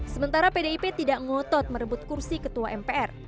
sementara pdip tidak ngotot merebut kursi ketua mpr